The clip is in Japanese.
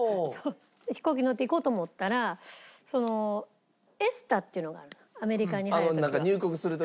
飛行機乗って行こうと思ったらＥＳＴＡっていうのがあるのアメリカに入る時。